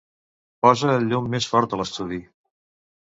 Posa el llum més fort a l'estudi.